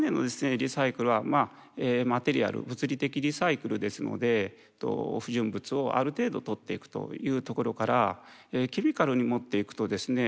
リサイクルはマテリアル物理的リサイクルですので不純物をある程度取っていくというところからケミカルに持っていくとですね